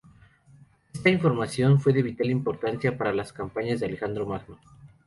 Esta información fue de vital importancia para las campañas de Alejandro Magno.